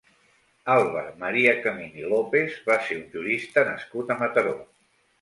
Àlvar Maria Camín i López va ser un jurista nascut a Mataró.